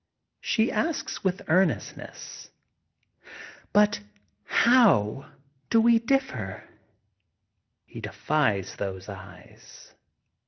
She asks with earnestness: — But how do we diflferf He defies those eyes.